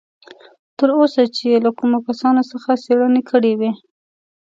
تر اوسه چې یې له کومو کسانو څخه څېړنې کړې وې.